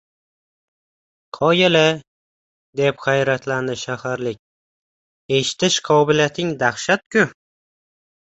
– Qoyil-ye! – deb hayratlandi shaharlik. – Eshitish qobiliyating dahshat-ku!